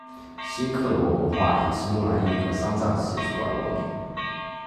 新克罗文化以其木乃伊和丧葬习俗而闻名。